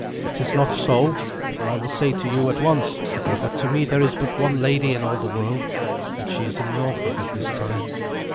It is not so, for I will say to you at once that to me there is but one lady in all the world, and she is in Norfolk at this time.